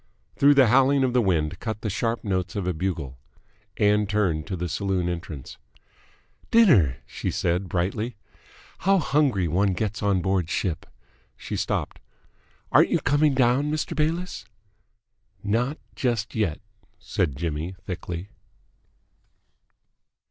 Through the howling of the wind cut the sharp notes of a bugle. Ann turned to the saloon entrance. "Dinner!" she said brightly. "How hungry one gets on board ship!" She stopped. "Aren't you coming down, Mr. Bayliss?" "Not just yet," said Jimmy thickly.